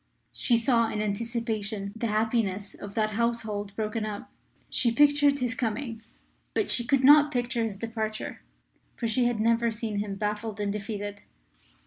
She saw in anticipation the happiness of that household broken up. She pictured his coming, but she could not picture his departure. For she had never seen him baffled and defeated.